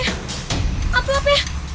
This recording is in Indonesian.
malin jangan lupa